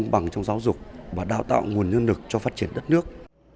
bằng trong giáo dục và đào tạo nguồn nhân lực cho phát triển đất nước